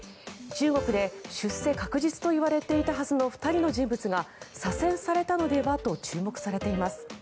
中国で出世確実といわれていたはずの２人の人物が左遷されたのではと注目されています。